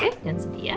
jangan sedih ya